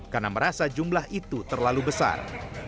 karena merasa jumlah itu terlalu besar